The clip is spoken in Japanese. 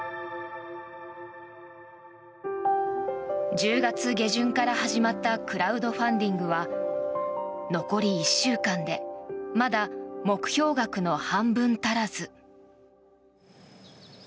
１０月下旬から始まったクラウドファンディングは残り１週間でまだ目標額の半分足らず。